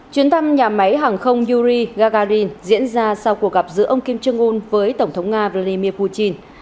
chuyến thăm nhà máy hàng không yuri gagarin diễn ra sau cuộc gặp giữa ông kim jong un với tổng thống nga vladimir putin